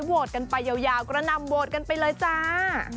โหวตกันไปยาวกระนำโหวตกันไปเลยจ้า